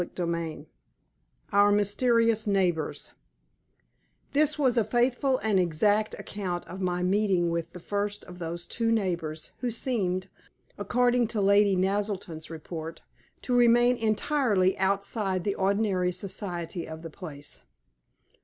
CHAPTER IV OUR MYSTERIOUS NEIGHBORS This was a faithful and exact account of my meeting with the first of those two of our neighbors who seemed, according to Lady Naselton's report, to remain entirely outside the ordinary society of the place.